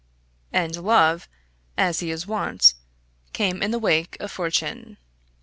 And love, as he is wont, came in the wake of fortune.